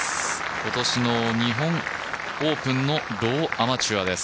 今年の日本オープンのローアマチュアです。